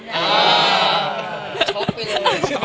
ช็อคไปเลย